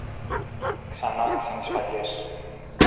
Ξανάρχισαν οι σφαγές